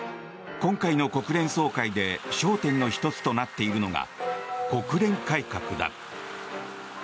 今回の国連総会で焦点の１つとなっているのが国連改革だ。